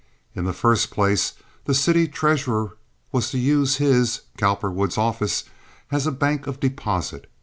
In the first place, the city treasurer was to use his (Cowperwood's) office as a bank of deposit.